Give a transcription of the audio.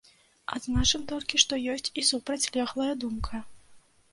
Адзначым толькі, што ёсць і супрацьлеглая думка.